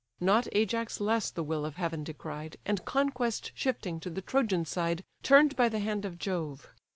Not Ajax less the will of heaven descried, And conquest shifting to the Trojan side, Turn'd by the hand of Jove.